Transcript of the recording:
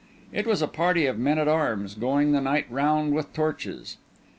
It was a party of men at arms going the night round with torches.